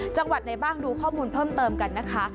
จังหวัดไหนบ้างดูข้อมูลเพิ่มเติมกันนะคะ